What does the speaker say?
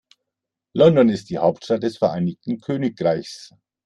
London ist die Hauptstadt des Vereinigten Königreichs.